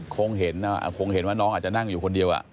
คงเห็นว่าน้องอาจจะนั่งอยู่คนเดียวอ่ะ